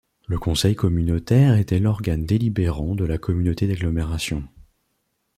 Le conseil communautaire était l'organe délibérant de la communauté d'agglomération.